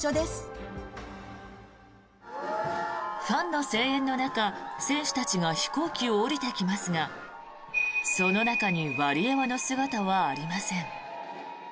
ファンの声援の中、選手たちが飛行機を降りてきますがその中にワリエワの姿はありません。